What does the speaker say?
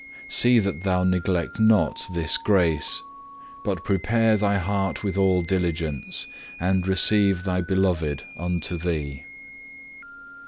See that thou neglect not this grace, but prepare thy heart with all diligence, and receive thy Beloved unto thee.